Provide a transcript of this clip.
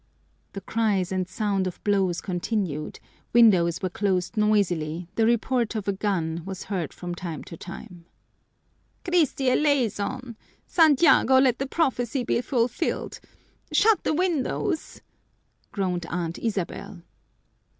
The cries and sound of blows continued, windows were closed noisily, the report of a gun was heard from time to time. "Christie eleyson! Santiago, let the prophecy be fulfilled! Shut the windows!" groaned Aunt Isabel.